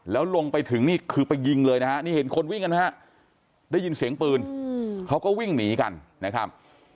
แล้วลงไปถึงนี่คือไปยิงเลยนะฮะนี่เห็นคนวิ่งกันไหมฮะได้ยินเสียงปืนเขาก็วิ่งหนีกันนะครับ